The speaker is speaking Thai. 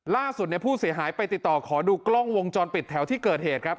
ล่าสุดผู้เสียหายไปติดต่อขอดูกล้องวงจรปิดแถวที่เกิดเหตุครับ